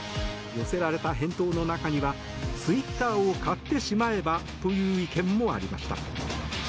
寄せられた返答の中にはツイッターを買ってしまえば？という意見もありました。